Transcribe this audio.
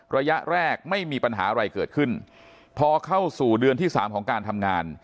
ระยะแรกไม่มีปัญหาอะไรเกิดขึ้นพอเข้าสู่เดือนที่สามของการทำงาน